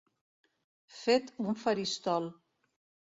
Fet un faristol.